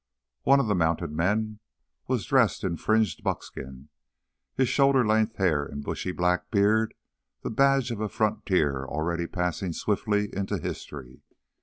One of the mounted men was dressed in fringed buckskin, his shoulder length hair and bushy black beard the badge of a frontier already passing swiftly into history.